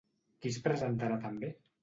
Qui es presentarà també?